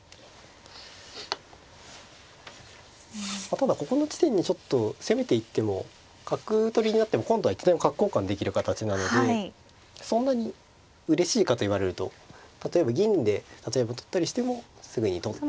ただここの地点にちょっと攻めていっても角取りになっても今度はいつでも角交換できる形なのでそんなにうれしいかと言われると例えば銀で例えば取ったりしてもすぐに取って。